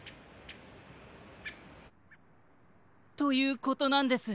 ということなんです。